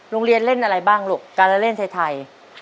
โรงเรียนเล่นอะไรบ้างลูกการเล่นไทย